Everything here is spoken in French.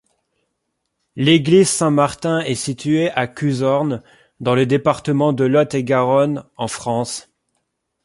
L'église Saint-Martin est située à Cuzorn, dans le département de Lot-et-Garonne, en France.